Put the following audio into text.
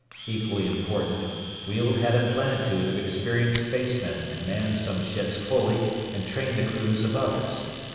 Equally important, Weald had a plenitude of experienced spacemen to man some ships fully and train the crews of others.